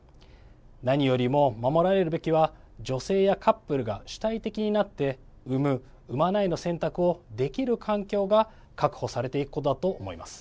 何よりも守られるべきは女性やカップルが主体的になって産む、産まないの選択をできる環境が確保されていくことだと思います。